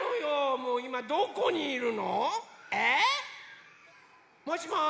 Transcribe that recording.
もういまどこにいるの？え？もしもし。